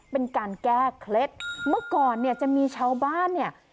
เป็นการแก้เคล็ดเมื่อก่อนเนี่ยจะมีชาวบ้านเนี่ย